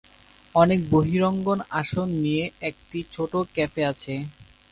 অনেক বহিরঙ্গন আসন নিয়ে একটি ছোট ক্যাফে আছে।